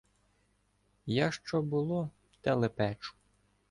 Я що було, те лепечу.